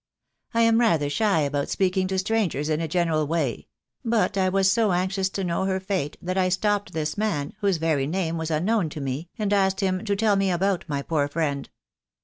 I am rather shy about speaking to strangers in a general way; but I was so anxious to know her fate that I stopped this man, whose very name was unknown to me, and asked him to tell me about my poor friend.